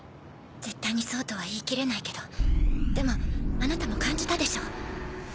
絶対にそうとは言い切れないけどでもあなたも感じたでしょ？